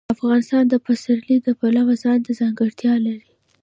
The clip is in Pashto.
افغانستان د پسرلی د پلوه ځانته ځانګړتیا لري.